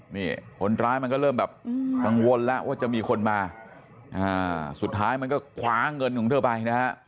นี่คนร้ายมันก็เริ่มแบบกังวลแล้วว่าจะมีคนมาสุดท้ายมันก็คว้าเงินของเธอไปนะฮะ